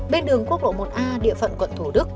bên đường quốc lộ một a địa phận quận thủ đức